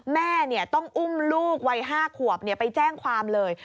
แม่ต้องอุ้มลูกวัย๕ขวบไปแจ้งความเลย